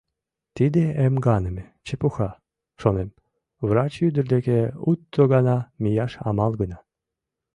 «Тиде эмганыме — чепуха, — шонем, — врач ӱдыр деке уто гана мияш амал гына».